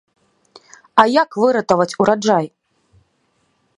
А як выратаваць ураджай?